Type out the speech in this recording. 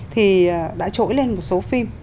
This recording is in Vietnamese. thì đã trỗi lên một số phim